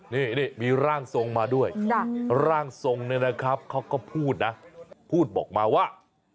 นี่มีร่างทรงมาด้วยร่างทรงเนี่ยนะครับเขาก็พูดนะพูดบอกมาว่า